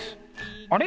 あれ？